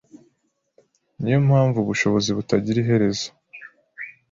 niyo mpamvu ubushobozi butagira iherezo